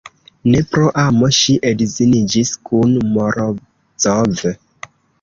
Ne pro amo ŝi edziniĝis kun Morozov.